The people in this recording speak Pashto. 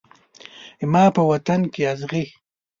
زما په وطن کې اغزي